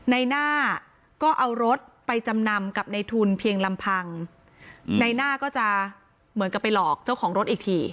ในหน้าก็เอารถไปจำนำกับในทุนเพียงลำพังในหน้าก็จะเหมือนกับไปหลอกเจ้าของรถอีกที